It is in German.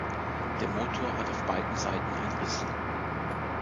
Der Motor hat auf beiden Seiten ein Ritzel.